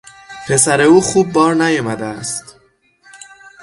پسر او خوب بار نیامده است.